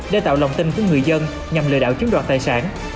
để tạo lòng tin của người dân nhằm lừa đảo chiếm đoạt tài sản